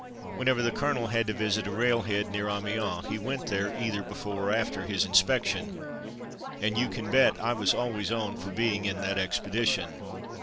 Whenever the colonel had to visit a railhead near Amiens he went there either before or after his inspection, and you can bet I was always on for being in that expe dition.